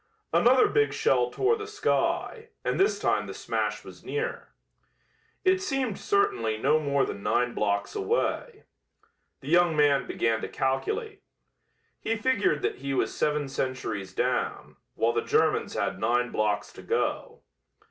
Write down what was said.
Another big shell tore the sky, and this time the smash was nearer. It seemed certainly no more than nine blocks away. The young man began to calculate. He figured that he was seven centuries down, while the Germans had nine blocks to go.